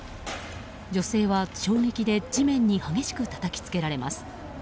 女性は衝撃で地面に激しくたたきつけられます。